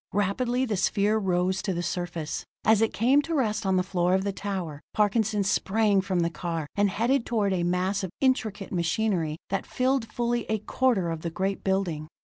Rapidly the sphere rose to the surface. As it came to rest on the floor of the tower, Parkinson sprang from the car, and headed toward a mass of intricate machinery that filled fully a quarter of the great building.